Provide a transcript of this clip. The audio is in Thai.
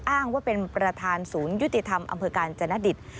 อ้างว่าเป็นประธานศูนย์ยุติธรรมอำเภอกาญจนดิต